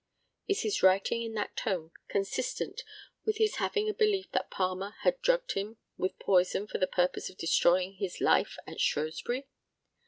Is his writing in that tone consistent with his having a belief that Palmer had drugged him with poison for the purpose of destroying his life at Shrewsbury?